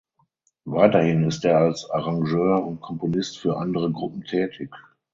Weiterhin ist er als Arrangeur und Komponist für andere Gruppen tätig.